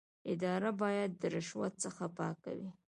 اداره باید د رشوت څخه پاکه وي.